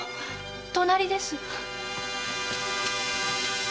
隣です。